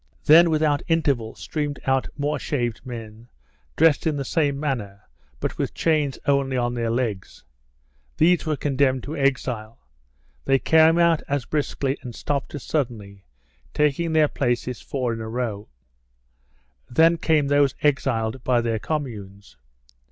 Then without interval streamed out more shaved men, dressed in the same manner but with chains only on their legs. These were condemned to exile. They came out as briskly and stopped as suddenly, taking their places four in a row. Then came those exiled by their Communes.